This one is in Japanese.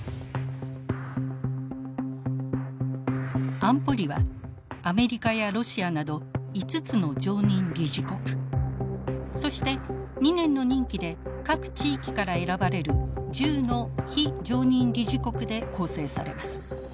安保理はアメリカやロシアなど５つの常任理事国そして２年の任期で各地域から選ばれる１０の非常任理事国で構成されます。